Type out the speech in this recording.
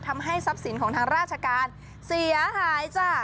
ทำให้ทรัพย์สินของทางราชการเสียหายจ้ะ